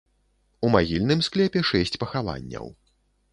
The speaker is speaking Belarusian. У магільным склепе шэсць пахаванняў.